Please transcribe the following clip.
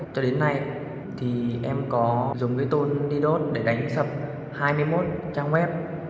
cho đến nay thì em có dùng cái tôn d dot để đánh sập hai mươi một trang web